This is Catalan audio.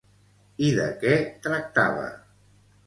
I de què tractava?